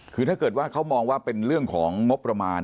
คือถ้าเกิดว่าเขามองว่าเป็นเรื่องของงบประมาณ